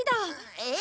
えっ？